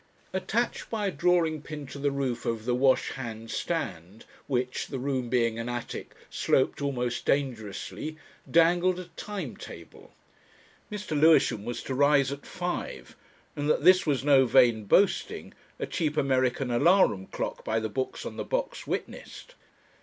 Attached by a drawing pin to the roof over the wash hand stand, which the room being an attic sloped almost dangerously, dangled a Time Table. Mr. Lewisham was to rise at five, and that this was no vain boasting, a cheap American alarum clock by the books on the box witnessed.